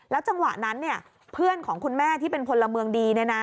จังหวะนั้นเพื่อนของคุณแม่ที่เป็นพลเมืองดี